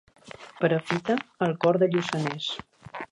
Perafita, el cor del Lluçanès.